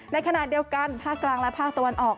ในขณะเดียวกันภาคกลางและภาคตะวันออก